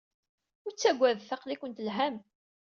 Ur ttaggadet, aql-iken telham.